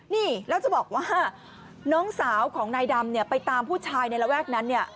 นี่แล้วจะบอกว่าน้องสาวของนายดำเนี่ยไปตามผู้ชายในระแวกนั้นเนี่ย